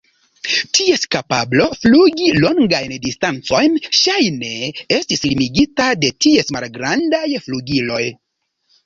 Ties kapablo flugi longajn distancojn ŝajne estis limigita de ties malgrandaj flugiloj.